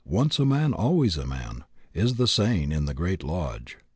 "Once a man always a man" is the saying in the Great Lodge.